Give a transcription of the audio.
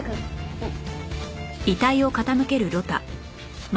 うん。